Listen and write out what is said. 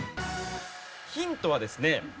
ヒントはですね